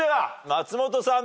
松本さん